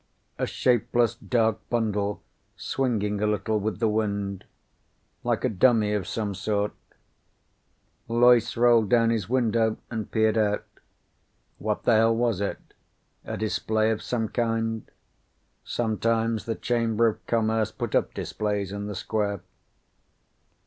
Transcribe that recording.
A shapeless dark bundle, swinging a little with the wind. Like a dummy of some sort. Loyce rolled down his window and peered out. What the hell was it? A display of some kind? Sometimes the Chamber of Commerce put up displays in the square.